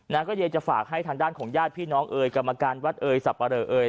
ก็ยังจะฝากให้ทางด้านของญาติพี่น้องเอ่ยกรรมการวัดเอยสับปะเลอเอย